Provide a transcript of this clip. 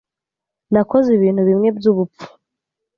Nakoze ibintu bimwe byubupfu.